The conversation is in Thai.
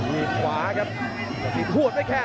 มีขวาครับสักสิทธิ์ควดไม่แค่